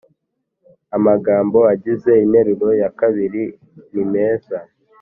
amagambo agize interuro yakabiri nimeza